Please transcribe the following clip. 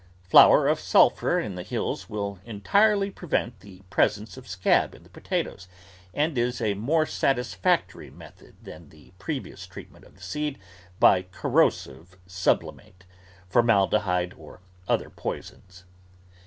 Flower of sulphur in the hills will entirely prevent the presence of scab in the potatoes and is a more satisfactory method than the previous treat ment of the seed by corrosive sublimate, formalde hyde, or other poisons.